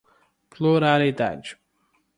pluralidade